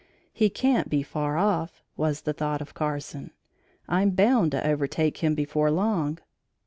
"He can't be far off," was the thought of Carson, "I'm bound to overtake him before long."